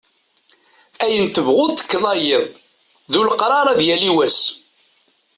Ayen tebɣuḍ tekkeḍ ay iḍ, d ulaqrar ad yali wass.